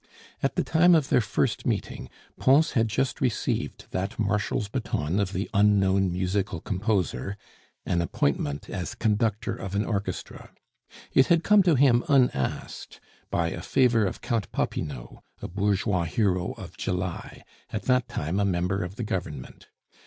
At the time of their first meeting, Pons had just received that marshal's baton of the unknown musical composer an appointment as conductor of an orchestra. It had come to him unasked, by a favor of Count Popinot, a bourgeois hero of July, at that time a member of the Government.